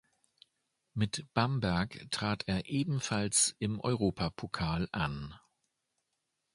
Mit Bamberg trat er ebenfalls im Europapokal an.